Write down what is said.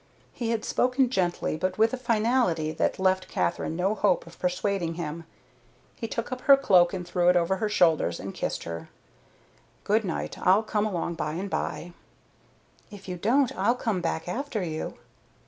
He had spoken gently, but with a finality that left Katherine no hope of persuading him. He took up her cloak and threw it over her shoulders, and kissed her. "Good night. I'll come along by and by." "If you don't, I'll come back after you."